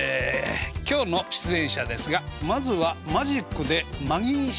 今日の出演者ですがまずはマジックでマギー審司さん。